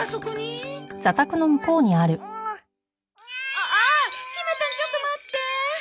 ああっひまたんちょっと待って！